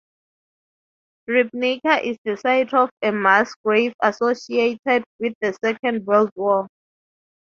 Ribnica is the site of a mass grave associated with the Second World War.